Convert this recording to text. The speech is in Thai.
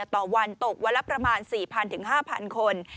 ต่อวันตกวันละประมาณ๔๐๐๕๐๐คน